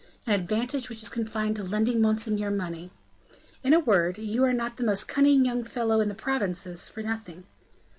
"An advantage which is confined to lending monseigneur money." "In a word, you are not the most cunning young fellow in the province for nothing."